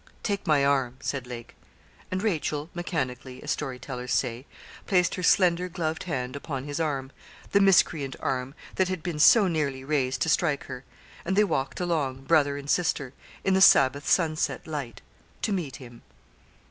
'Take my arm,' said Lake. And Rachel mechanically, as story tellers say, placed her slender gloved hand upon his arm the miscreant arm that had been so nearly raised to strike her; and they walked along, brother and sister, in the Sabbath sunset light, to meet him.